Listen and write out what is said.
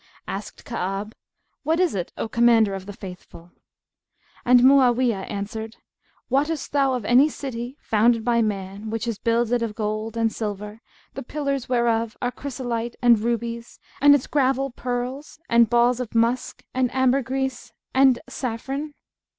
Asked Ka'ab, 'What is it, O Commander of the Faithful?'; and Mu'awiyah answered, 'Wottest thou of any city founded by man which is builded of gold and silver, the pillars whereof are of chrysolite and rubies and its gravel pearls and balls of musk and ambergris and saffron?'